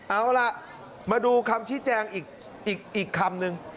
เอาล่ะมาดูคำชี้แจงอีกคำนึง